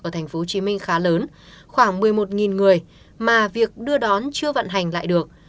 ở tp hcm khá lớn khoảng một mươi một người mà việc đưa đón chưa vận hành lại được